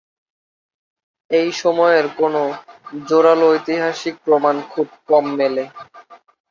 এই সময়ের কোনও জোরালো ঐতিহাসিক প্রমাণ খুব কম মেলে।